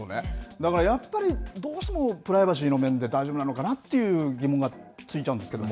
だからやっぱり、どうしてもプライバシーの面で、大丈夫なのかなっていう疑問がついちゃうんですけれども。